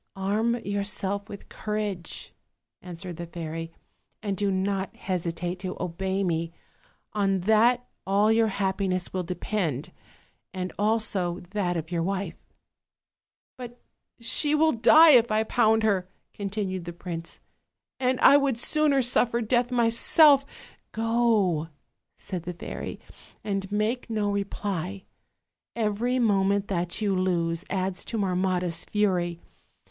"Arm yourself with courage," answered the fairy, "and do not hesitate to obey me; on that all your happi ness will depend, as also that of your wife." "But she will die if I pound her," continued the prince, "and I would sooner suffer death myself " "Go," said the fairy, "and make no reply: every mo ment that you lose adds to Marmotta's fury.